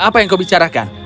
apa yang kau bicarakan